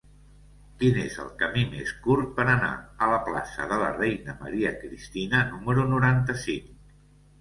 Quin és el camí més curt per anar a la plaça de la Reina Maria Cristina número noranta-cinc?